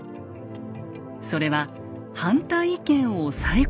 それは反対意見を押さえ込むこと。